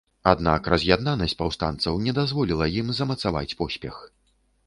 Аднак раз'яднанасць паўстанцаў не дазволіла ім замацаваць поспех.